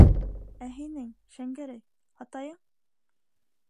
Ә һинең, Шәңгәрәй, атайың.